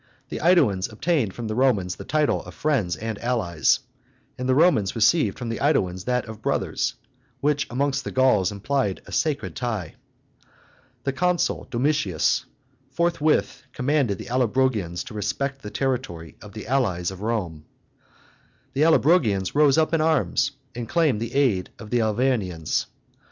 The AEduans obtained from the Romans the title of friends and allies; and the Romans received from the AEduans that of brothers, which amongst the Gauls implied a sacred tie. The consul Domitius forthwith commanded the Allobrogians to respect the territory of the allies of Rome. The Allobrogians rose up in arms and claimed the aid of the Arvernians.